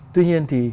tuy nhiên thì